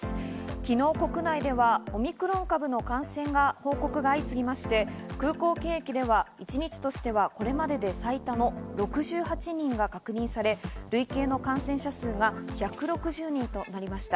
昨日、国内ではオミクロン株の感染の報告が相次ぎまして空港検疫では一日としてはこれまでで最多の６８人が確認され累計の感染者数が１６０人となりました。